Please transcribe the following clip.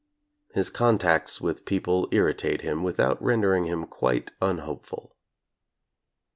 His contacts with people irri tate him without rendering him quite unhopeful.